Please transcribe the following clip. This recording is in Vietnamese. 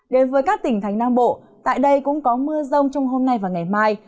đến với các tỉnh thành nam bộ tại đây cũng có mưa rông trong hôm nay và ngày mai